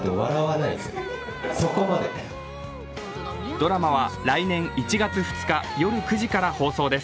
ドラマは来年１月２日夜９時から放送です。